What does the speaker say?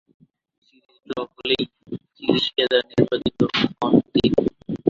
Series draw হলেও series সেরা নির্বাচিত হন তিনি।